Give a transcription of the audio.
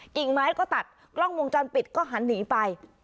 กิ่งไม้ก็ตัดกล้องวงจรปิดก็หันหนีไป